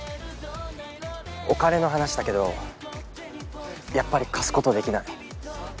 お金の話だけどやっぱり貸すことできない。